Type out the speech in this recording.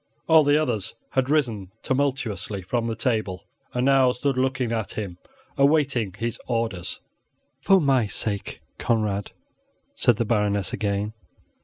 All the others had risen tumultuously from the table, and now stood looking at him, awaiting his orders. "For my sake, Conrad," said the Baroness again.